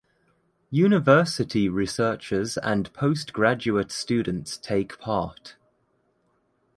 University researchers and postgraduate students take part.